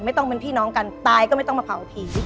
ไม่ต้องเป็นพี่น้องกันตายก็ไม่ต้องมาเผาผี